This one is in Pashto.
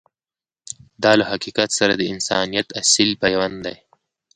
دا له حقیقت سره د انسانیت اصیل پیوند دی.